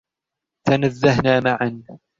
تنزهنا معًا.